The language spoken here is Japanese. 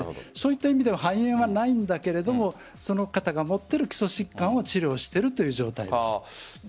そういった意味では肺炎はないんだけどもその方が持っている基礎疾患を治療しているという状態です。